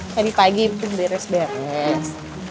tadi pagi itu beres beres